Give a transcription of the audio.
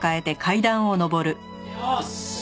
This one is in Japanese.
よし。